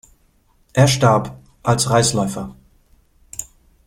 Er starb als Reisläufer.